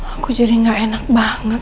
aku jadi gak enak banget